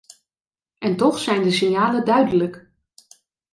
En toch zijn de signalen duidelijk.